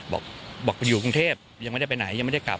บอกอยู่กรุงเทพยังไม่ได้ไปไหนยังไม่ได้กลับ